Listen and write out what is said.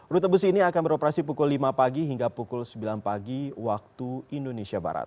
rute bus ini akan beroperasi pukul lima pagi hingga pukul sembilan pagi waktu indonesia barat